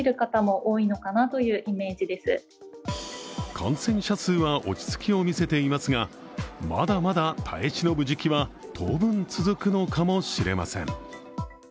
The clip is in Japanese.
感染者数は落ち着きを見せていますがまだまだ耐え忍ぶ時期は当分続くのかもしれません。